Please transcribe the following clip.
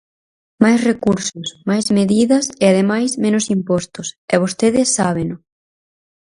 Máis recursos, máis medidas e ademais menos impostos, e vostedes sábeno.